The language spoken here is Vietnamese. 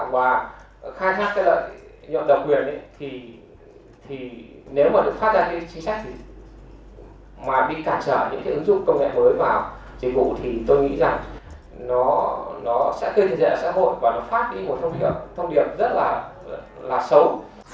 và nó phát cái một thông điệp rất là xấu